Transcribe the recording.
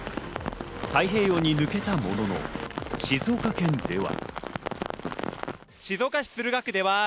太平洋に抜けたものの、静岡県では。